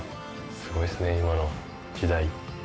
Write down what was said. すごいですね今の時代。